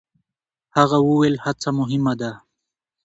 هغه وویل، هڅه مهمه ده.